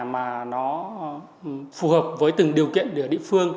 và nó phù hợp với từng điều kiện địa địa phương